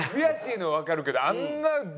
悔しいのはわかるけどあんな